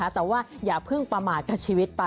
แต่ว่าอย่าเพิ่งประมาทกับชีวิตไป